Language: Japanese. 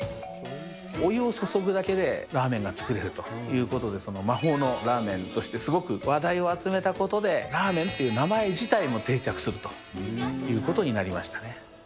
お湯を注ぐだけでラーメンが作れるということで、魔法のラーメンとしてすごく話題を集めたことで、ラーメンという名前自体も定着するということになりましたね。